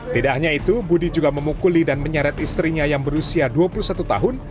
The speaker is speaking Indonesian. tidak hanya itu budi juga memukuli dan menyeret istrinya yang berusia dua puluh satu tahun